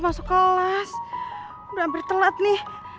masuk kelas udah hampir telat nih